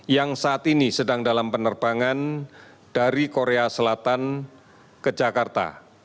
yang saat ini sedang dalam penerbangan dari korea selatan ke jakarta